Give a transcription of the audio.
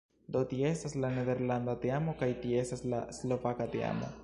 Do tie estas la nederlanda teamo kaj tie estas la slovaka teamo